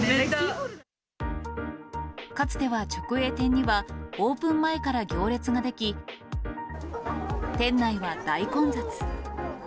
かつては直営店には、オープン前から行列が出来、店内は大混雑。